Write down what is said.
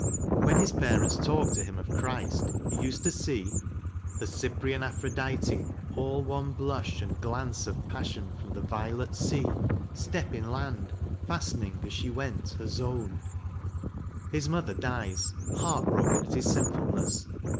When his parents talked to him of Christ he used to see The Cyprian Aphrodite, all one blush And glance of passion, from the violet sea Step inland, fastening as she went her zone. His mother dies, heart broken at his sinfulness.